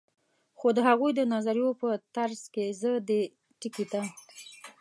خو د هغوي د نظریو په ترڅ کی زه دې ټکي ته